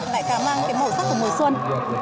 lại cảm ơn cái màu sắc của mùa xuân